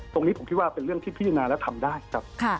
ตรงนี้ผมคิดว่าเป็นเรื่องที่พิจารณาแล้วทำได้ครับ